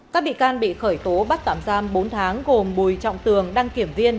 các bị can bị khởi tố bắt tạm giam bốn tháng gồm bùi trọng tường đăng kiểm viên